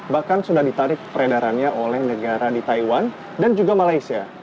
bahkan sudah ditarik peredarannya oleh negara di taiwan dan juga malaysia